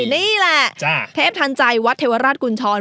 นี่แหละเทพทันใจวัดเทวราชกุญชร